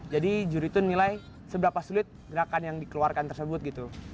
jadi juri tuh nilai seberapa sulit gerakan yang dikeluarkan tersebut gitu